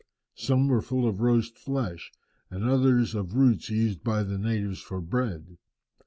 Some were full of roast flesh, and others of roots used by the natives for bread.